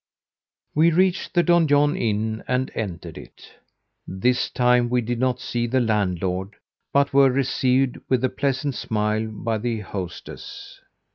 We reached the Donjon Inn and entered it. This time we did not see the landlord, but were received with a pleasant smile by the hostess.